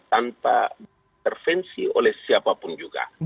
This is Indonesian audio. tanpa diintervensi oleh siapapun juga